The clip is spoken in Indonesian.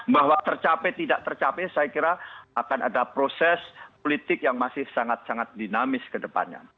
bahwa tercapai tidak tercapai saya kira akan ada proses politik yang masih sangat sangat dinamis ke depannya